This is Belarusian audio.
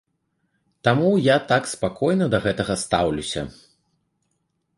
Таму я так спакойна да гэтага стаўлюся.